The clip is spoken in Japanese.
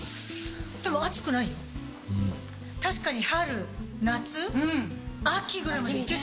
確かに。